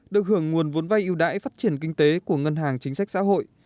được hưởng nguồn vốn vay ưu đãi phát triển kinh tế của ngân hàng chính sách xã hội